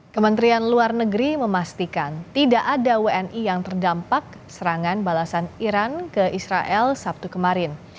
kementerian luar negeri memastikan tidak ada wni yang terdampak serangan balasan iran ke israel sabtu kemarin